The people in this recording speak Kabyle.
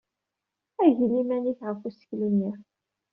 Agel iman-ik ɣef useklu-nni.